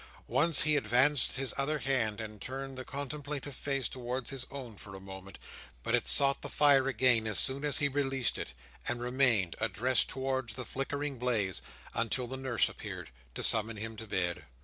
Once he advanced his other hand, and turned the contemplative face towards his own for a moment. But it sought the fire again as soon as he released it; and remained, addressed towards the flickering blaze, until the nurse appeared, to summon him to bed.